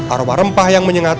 arwah rempah yang menyengat